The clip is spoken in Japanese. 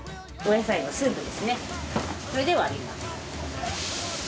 これでわります。